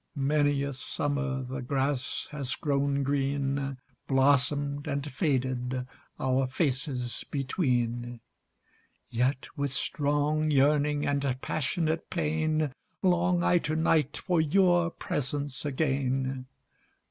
Many a summer the grass has grown green, Blossomed and faded, our faces between:Yet, with strong yearning and passionate pain, Long I to night for your presence again.